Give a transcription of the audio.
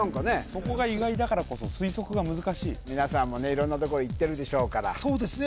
そこが意外だからこそ推測が難しい皆さんもね色んなとこ行ってるでしょうからそうですね